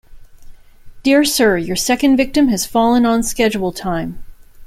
Dear Sir, Your second victim has fallen on schedule time.